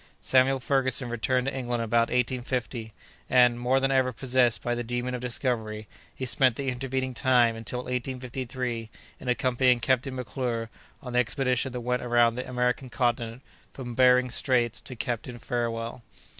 Samuel Ferguson returned to England about 1850, and, more than ever possessed by the demon of discovery, he spent the intervening time, until 1853, in accompanying Captain McClure on the expedition that went around the American Continent from Behring's Straits to Cape Farewell.